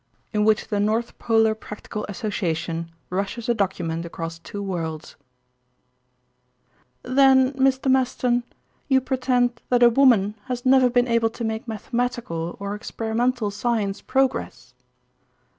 IN WHICH THE NORTH POLAR PRACTICAL ASSOCIATION RUSHES A DOCUMENT ACROSS TWO WORLDS "Then Mr Maston, you pretend that a woman has never been able to make mathematical or experimental science progress?"